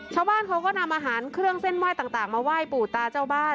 ชาวบ้านเขาก็นำอาหารเครื่องเส้นไหว้ต่างมาไหว้ปู่ตาเจ้าบ้าน